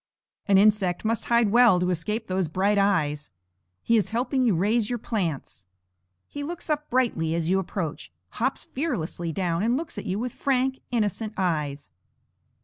An insect must hide well to escape those bright eyes. He is helping you raise your plants. He looks up brightly as you approach, hops fearlessly down and looks at you with frank, innocent eyes.